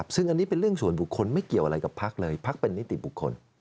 ซึ่งอันนี้เป็นเรื่องส่วนบุคคลไม่เกี่ยวอะไรกับพักเลยพักเป็นนิติบุคคล